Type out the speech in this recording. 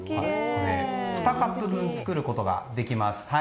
２カップ分、作ることができます。